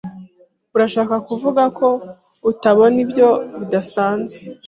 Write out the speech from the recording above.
Urashaka kuvuga ko utabona ibyo bidasanzwe?